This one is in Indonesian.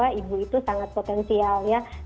karena ibu itu sangat penting untuk menjaga kemampuan ibu